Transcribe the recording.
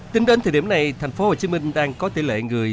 tính đến thời điểm này tp hcm đang có tỷ lệ người